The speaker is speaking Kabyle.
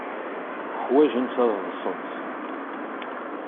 Ḥwajent ad ḍḍsent.